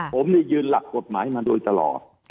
ผมยืนหลักกฎหมายมาโดยตลอด